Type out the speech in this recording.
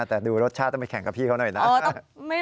แต่ดูรสชาติต้องไปแข่งกับพี่เขาหน่อยนะ